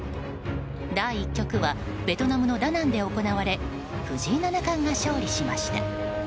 第１局はベトナムのダナンで行われ藤井七冠が勝利しました。